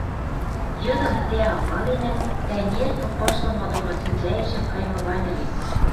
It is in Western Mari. Йыдым тӓ амаленӓм, тӓ нервӹ пыжлымы доно сӹнзӓэшем каймы ганьы лин.